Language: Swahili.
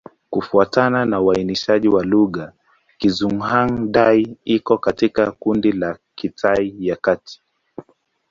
Kufuatana na uainishaji wa lugha, Kizhuang-Dai iko katika kundi la Kitai ya Kati.